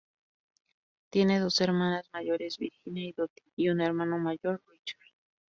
Tiene dos hermanas mayores, Virginia y Dottie, y un hermano mayor, Richard.